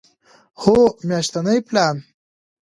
هو، میاشتنی پلان